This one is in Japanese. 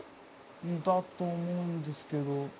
だと思うんですけど。